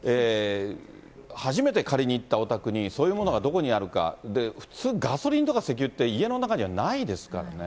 初めて、仮に行ったお宅にそういうものがどこにあるか、普通、ガソリンとか石油って、家の中にはないですからね。